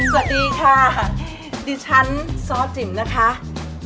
สวัสดีค่ะดิฉันซ้อจิ๋มนะคะ